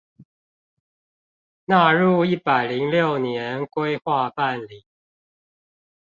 納入一百零六年規劃辦理